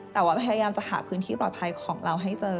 แต่ว่าพยายามจะหาพื้นที่ปลอดภัยของเราให้เจอ